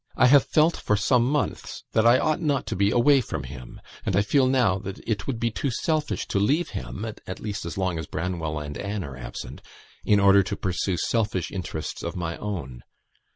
I have felt for some months that I ought not to be away from him; and I feel now that it would be too selfish to leave him (at least, as long as Branwell and Anne are absent), in order to pursue selfish interests of my own.